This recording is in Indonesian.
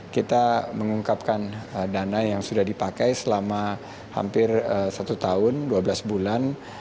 kita mengungkapkan dana yang sudah dipakai selama hampir satu tahun dua belas bulan